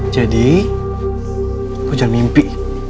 jadi kau jangan mimpi